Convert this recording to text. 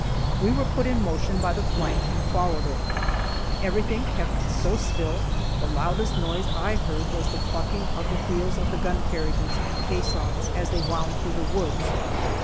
We were put in motion by the flank and followed it. Everything kept so still, the loudest noise I heard was the clucking of the wheels of the gun carriages and caissons as they wound through the woods.